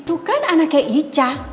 itu kan anaknya ica